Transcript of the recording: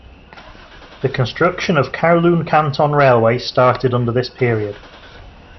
The construction of Kowloon-Canton Railway started under this period.